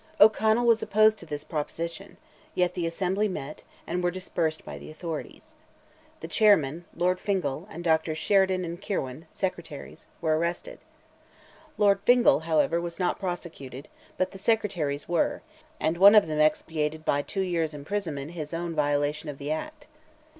O'Connell was opposed to this proposition; yet the assembly met, and were dispersed by the authorities. The Chairman, Lord Fingal, and Drs. Sheridan and Kirwan, Secretaries, were arrested. Lord Fingal, however, was not prosecuted, but the Secretaries were, and one of them expiated by two years' imprisonment his violation of the act.